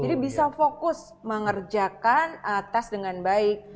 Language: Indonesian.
jadi bisa fokus mengerjakan tes dengan baik